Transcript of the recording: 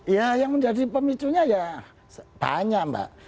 ya yang menjadi pemicunya ya banyak mbak